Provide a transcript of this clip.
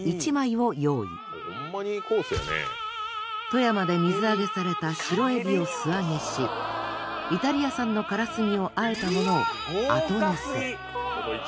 富山で水揚げされた白エビを素揚げしイタリア産のカラスミを和えたものを後のせ。